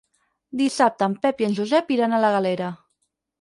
Dissabte en Pep i en Josep iran a la Galera.